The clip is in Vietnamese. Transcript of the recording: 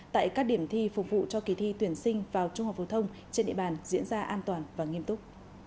tại các điểm thi phục vụ cho kế thi tuyển sinh vào trung hòa vũ thông trên địa bàn diễn ra an toàn và nghiêm túc